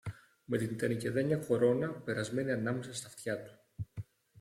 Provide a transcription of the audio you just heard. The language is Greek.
με την τενεκεδένια κορώνα περασμένη ανάμεσα στ' αυτιά του